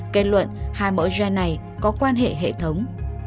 kết luận hai mẫu gen này có quan hệ hệ thống